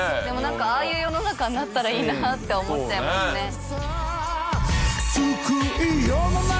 でもなんかああいう世の中になったらいいなって思っちゃいますね。